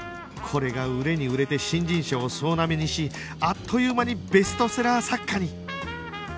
これが売れに売れて新人賞を総なめにしあっという間にベストセラー作家に！